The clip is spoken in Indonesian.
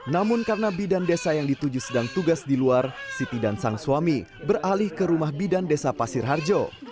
namun karena bidan desa yang dituju sedang tugas di luar siti dan sang suami beralih ke rumah bidan desa pasir harjo